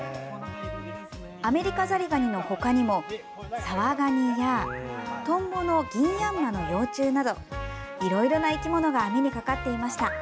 アメリカザリガニの他にもサワガニやトンボのギンヤンマの幼虫などいろいろな生き物が網にかかっていました。